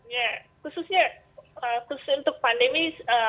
ya khususnya untuk pandemi